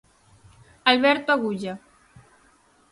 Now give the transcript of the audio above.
Alberto Agulla.